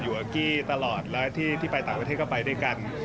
อยู่กับกี้ตลอดแล้วที่ไปต่างประเทศก็ไปด้วยกัน